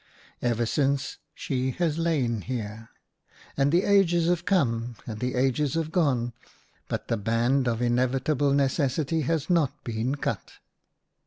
Ever since she has lain here. And the aofes have come, and the ages have gone, but the band of Inevitable Necessity has not been cut."